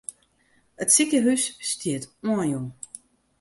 It sikehús stiet oanjûn.